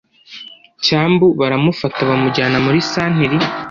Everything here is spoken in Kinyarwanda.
cyambu baramufata bamujyana muri santiri